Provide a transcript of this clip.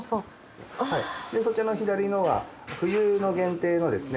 でそちらの左のが冬の限定のですね